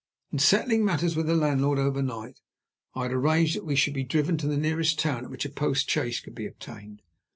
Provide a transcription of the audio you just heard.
In settling matters with the landlord over night, I had arranged that we should be driven to the nearest town at which a post chaise could be obtained.